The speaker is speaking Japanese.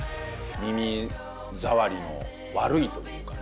耳ざわりの悪いというかね